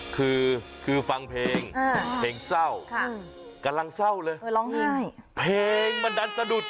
คือคือฟังเพลงอ่าเพลงเศร้าค่ะกำลังเศร้าเลยเพลงมันดันสะดุด